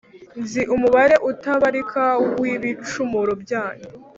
nzi umubare utabarika w’ibicumuro byanyu,